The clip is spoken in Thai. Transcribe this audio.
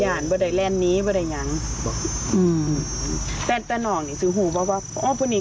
อาจมีแต่ว่าเอาจำบ่ะได้